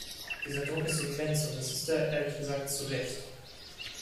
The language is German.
Dieser Druck ist immens und das ist er, ehrlich gesagt, zurecht.